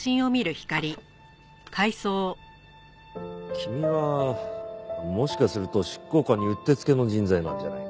君はもしかすると執行官にうってつけの人材なんじゃないか？